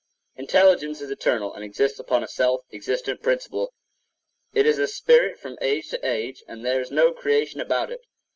Intelligence is eternal and exists upon a self existent principle. It is a spirit 9 from age to age, and there is no creation about it.